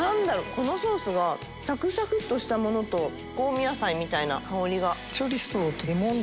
このソースがサクサクっとしたものと香味野菜みたいな香りが。